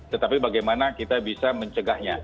tetapi bagaimana kita bisa mencegahnya